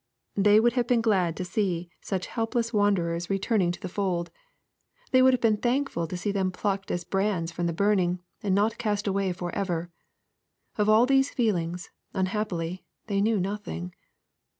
They would have been glad to see such helpless wanderers returning to the 192 EXPOSITORY THOUGHTS. fold. They would have been thankful to see them plucked as brands from the burning, and not cast away forever, Of all these feelings, unhappily, they knew nothing.